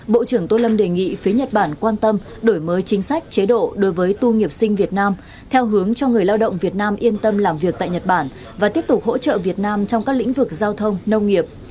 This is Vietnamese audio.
bộ trưởng tô lâm đề nghị phía nhật bản quan tâm đổi mới chính sách chế độ đối với tu nghiệp sinh việt nam theo hướng cho người lao động việt nam yên tâm làm việc tại nhật bản và tiếp tục hỗ trợ việt nam trong các lĩnh vực giao thông nông nghiệp